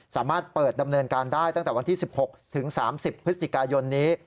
สามารถเปิดดำเนินการได้ตั้งแต่วันที่๑๖ถึง๓๐พฤศจิกายนนี้